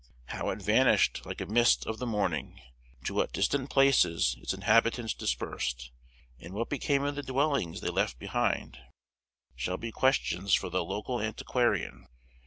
How it vanished like a mist of the morning, to what distant places its inhabitants dispersed, and what became of the dwellings they left behind, shall be questions for the local antiquarian.